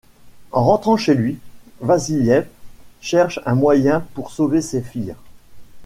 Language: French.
En rentrant chez lui, Vassiliev cherche un moyen pour sauver ces filles.